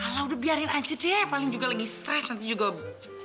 alah udah biarin aja deh paling juga lagi stres nanti juga obat